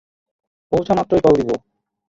পৌঁছামাত্রই call দিবো।